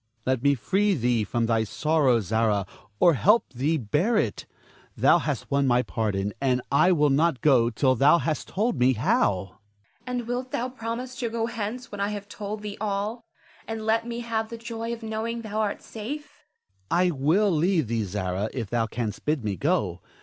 Let me free thee from thy sorrow, Zara, or help thee bear it. Thou hast won my pardon, and I will not go till thou hast told me how. Zara. And wilt thou promise to go hence when I have told thee all, and let me have the joy of knowing thou art safe? Ernest. I will leave thee, Zara, if thou canst bid me go.